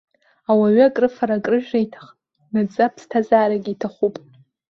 Ауаҩы акрыфара-акрыжәра иҭахнаҵы аԥсҭазаарагьы иҭахуп.